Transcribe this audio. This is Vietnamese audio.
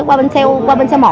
qua bên xe một